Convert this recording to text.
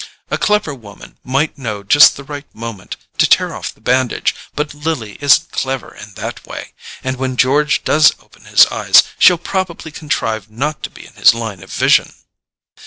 A clever woman might know just the right moment to tear off the bandage: but Lily isn't clever in that way, and when George does open his eyes she'll probably contrive not to be in his line of vision."